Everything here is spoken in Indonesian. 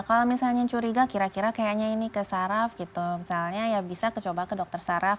kalau misalnya curiga kira kira kayaknya ini ke saraf gitu misalnya ya bisa coba ke dokter saraf